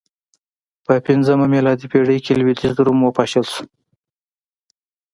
په پنځمه میلادي پېړۍ کې لوېدیځ روم وپاشل شو